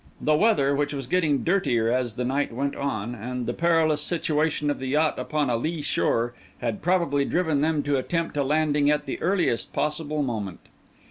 The weather, which was getting dirtier as the night went on, and the perilous situation of the yacht upon a lee shore, had probably driven them to attempt a landing at the earliest possible moment.